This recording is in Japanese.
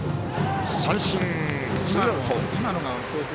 三振、ツーアウト。